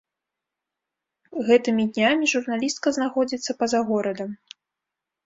Гэтымі днямі журналістка знаходзіцца па-за горадам.